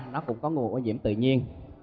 nó cũng có nguồn ô nhiễm tự nhiên